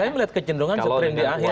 saya melihat kecenderungan straint di akhir